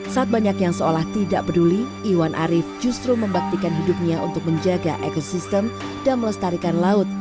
saat banyak yang seolah tidak peduli iwan arief justru membaktikan hidupnya untuk menjaga ekosistem dan melestarikan laut